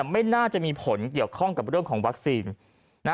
ไม่น่าจะมีผลเกี่ยวข้องกับเรื่องของวัคซีน